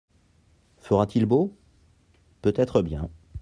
Fera-t-il beau ? Peut être bien.